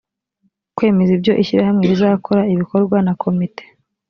kwemeza ibyo ishyirahamwe rizakora bikorwa na komite